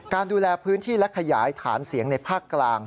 ดูแลพื้นที่และขยายฐานเสียงในภาคกลาง